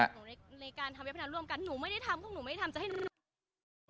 หนูในการทำเว็บพนันร่วมกันหนูไม่ได้ทำของหนูไม่ได้ทำจะให้รู้